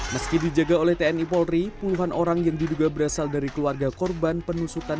meski dijaga oleh tni polri puluhan orang yang diduga berasal dari keluarga korban penusukan